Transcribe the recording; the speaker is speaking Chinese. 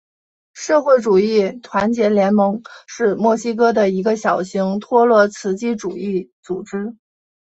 社会主义团结联盟是墨西哥的一个小型托洛茨基主义组织。